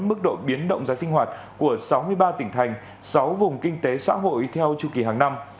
mức độ biến động giá sinh hoạt của sáu mươi ba tỉnh thành sáu vùng kinh tế xã hội theo chu kỳ hàng năm